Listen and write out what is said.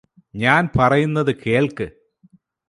ഞാന് പറയുന്നത് കേൾക്ക്